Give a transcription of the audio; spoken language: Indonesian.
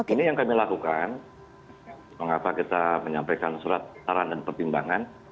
ini yang kami lakukan mengapa kita menyampaikan surat saran dan pertimbangan